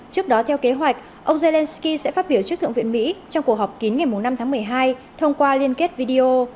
trước đó theo kế hoạch ông zelensky sẽ phát biểu trước thượng viện mỹ trong cuộc họp kín ngày năm tháng một mươi hai thông qua liên kết video